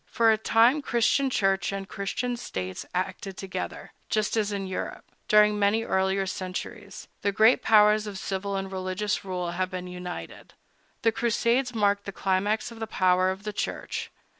For a time Christian Church and Christian States acted together, just as in Egypt, during many earlier centuries, the great powers of civil and religious rule had been united. The Crusades marked the climax of the power of the Church.